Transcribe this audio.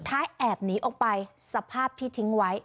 สุดท้ายแอบหนีออกไปสภาพที่ทิ้งไว้